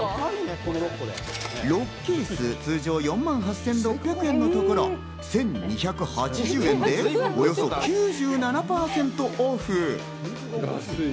６ケース通常４万８６００円のところ、１２８０円でおよそ９７％オフ。